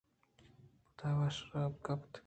پدا شرواب کپت